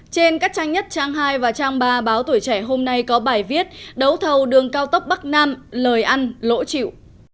trên các trang nhất trang hai và trang ba báo tuổi trẻ hôm nay có bài viết đấu thầu đường cao tốc bắc nam lời ăn lỗ chịu